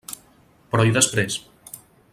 Però, i després?